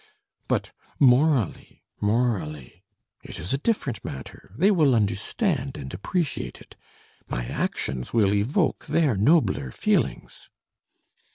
But morally, morally, it is a different matter; they will understand and appreciate it.... My actions will evoke their nobler feelings....